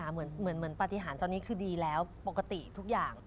เหมือนปฏิหารตอนนี้คือดีแล้วปกติทุกอย่าง